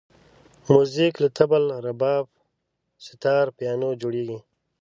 موزیک له طبل، رباب، ستار، پیانو جوړېږي.